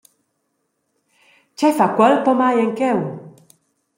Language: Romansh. Tgei fa quel pomai en cheu?